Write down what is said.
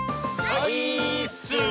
オイーッス！